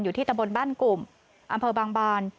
ที่ตะบนบ้านกลุ่มอำเภอบางบาน